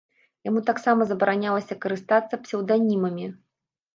Яму таксама забаранялася карыстацца псеўданімамі.